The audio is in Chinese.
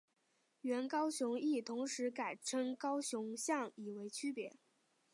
原高雄驿同时改称高雄港以为区别。